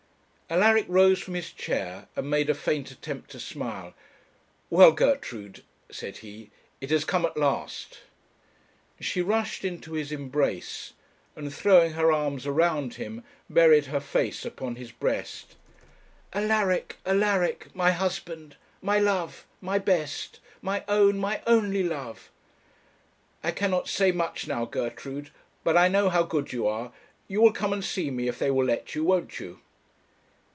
Alaric rose from his chair and made a faint attempt to smile. 'Well, Gertrude,' said he, 'it has come at last.' She rushed into his embrace, and throwing her arms around him, buried her face upon his breast. 'Alaric, Alaric, my husband! my love, my best, my own, my only love!' 'I cannot say much now, Gertrude, but I know how good you are; you will come and see me, if they will let you, won't you?'